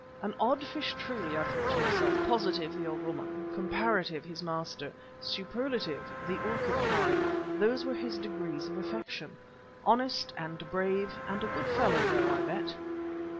An odd fish truly, I thought to myself. Positive, the old woman; Comparative, his master; Superlative, the orchid tribe. Those were his degrees of affection. Honest and brave and a good fellow though, I bet.